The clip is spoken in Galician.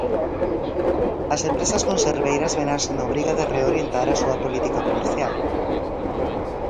As empresas conserveiras veranse na obriga de reorientar a súa política comercial.